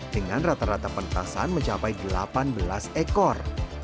dengan rata rata pentasan mencapai delapan belas ekor